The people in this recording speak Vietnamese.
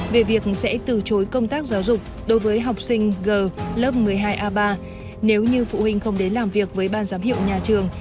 về việc sẽ từ chối công tác giáo dục đối với học sinh g lớp một mươi hai a ba nếu như phụ huynh không đến làm việc với ban giám hiệu nhà trường